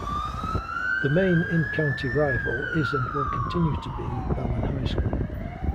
The main in-county rival is and will continue to be Belen High School.